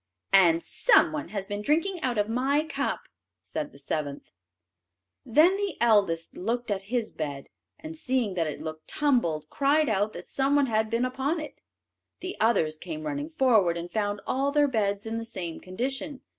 "And some one has been drinking out of my cup," said the seventh. Then the eldest looked at his bed, and, seeing that it looked tumbled, cried out that some one had been upon it. The others came running forward, and found all their beds in the same condition.